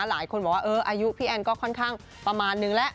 หลายคนบอกว่าอายุพี่แอนก็ค่อนข้างประมาณนึงแล้ว